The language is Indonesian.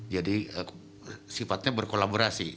jadi sifatnya berkolaborasi